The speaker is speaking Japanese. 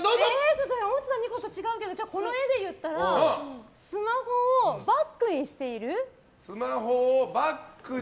ちょっと思ってた２個と違うけどこの絵で言ったらスマホをバッグにしている？